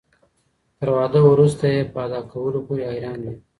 تر واده وروسته يي په ادا کولو پوري حيران وي